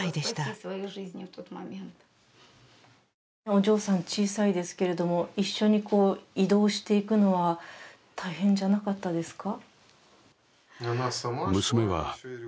お嬢さん、小さいですけれども、一緒に移動していくのは大変じゃなかったですか？